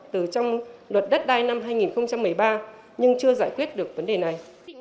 từ trong luật đất đai năm hai nghìn một mươi ba nhưng chưa giải quyết được vấn đề này